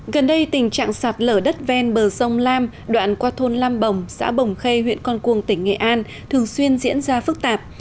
gần đây tình trạng sạt lở đất ven bờ sông lam đoạn qua thôn lam bồng xã bồng khê huyện con cuồng tỉnh nghệ an thường xuyên diễn ra phức tạp